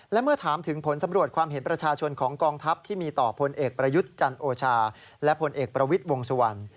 และเมื่อถามถึงผลสำรวจความเห็นประชาชนของกองทัพที่มีต่อพลเอกประยุทธ์จันโอชาและผลเอกประวิทย์วงสุวรรณ